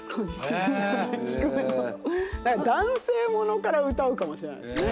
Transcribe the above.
男性ものから歌うかもしれないですね。